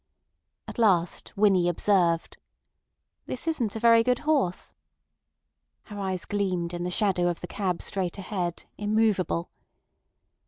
At last Winnie observed: "This isn't a very good horse." Her eyes gleamed in the shadow of the cab straight ahead, immovable.